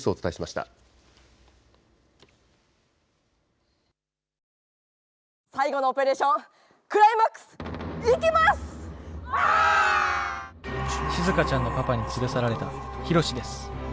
しずかちゃんのパパに連れ去られたヒロシです。